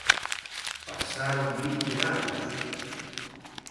¡Pasaron vinte anos!